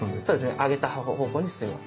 上げた方向に進みます。